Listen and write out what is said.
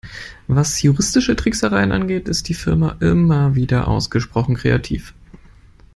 Was juristische Tricksereien angeht, ist die Firma immer wieder ausgesprochen kreativ.